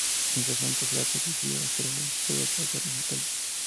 Mientras tanto, Flaco decidió esperar al resultado de la guerra en Italia.